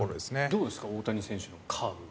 どうですか大谷選手のカーブは。